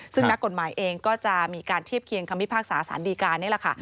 ซึ่งนักกฎหมายเองก็จะมีการเทียบเคียงคำพิพากษาสารดีการนี่แหละค่ะ